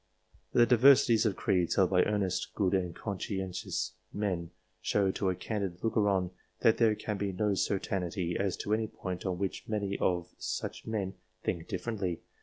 The diversities of creeds held by earnest, good, and conscientious men, show to a candid looker on, that there can be no certainty as to any point on which many of such men think differently.